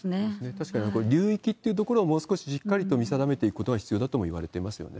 確かに流域っていうところをもう少ししっかりと見定めていくことが必要だともいわれていますよね。